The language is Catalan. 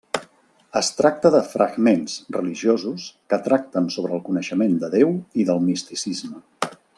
Es tracta de fragments religiosos que tracten sobre el coneixement de Déu i del misticisme.